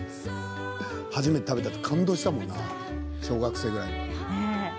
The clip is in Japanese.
初めて食べたとき感動したもんな小学生ぐらい。